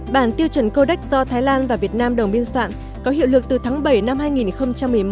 bản tiêu chuẩn codex do thái lan và việt nam đồng biên soạn có hiệu lực từ tháng bảy năm hai nghìn một mươi một